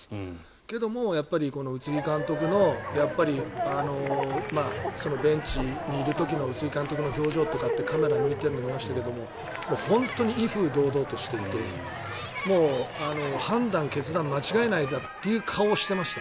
けども、この宇津木監督のベンチにいる時の宇津木監督の表情とかカメラが抜いているのを見ましたが本当に威風堂々としていて判断、決断を間違えないという顔をしていました。